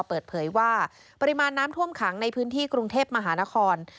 เปิดเผยว่าปริมาณน้ำท่วมขังในพื้นที่กรุงเทพมหานคร